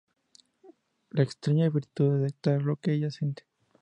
La extraña virtud de detectar lo que ellas sienten.